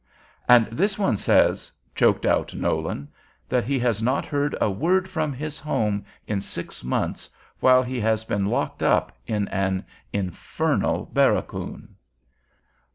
And this one says," choked out Nolan, "that he has not heard a word from his home in six months, while he has been locked up in an infernal barracoon."